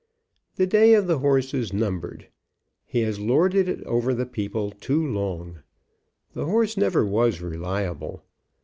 The day of the horse is numbered. He has lorded it over the people too long. The horse never was reliable.